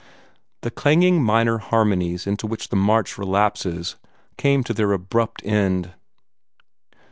The clanging minor harmonies into which the march relapses came to their abrupt end.